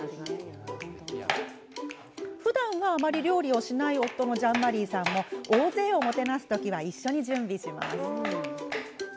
ふだんは、あまり料理をしない夫のジャンマリーさんも大勢をもてなす時は一緒に準備します。